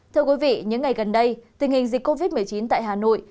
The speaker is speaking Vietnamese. thưa quý vị những ngày gần đây tình hình dịch covid một mươi chín tại hà nội